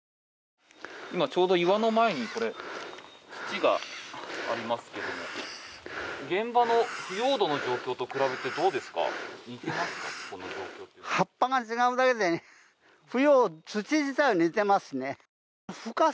今、ちょうど岩の前にこれ、土がありますけども現場の腐葉土の状況と比べてどうですか似ていますか？